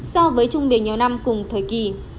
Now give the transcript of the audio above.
so với trung bình nhiều năm cùng thời kỳ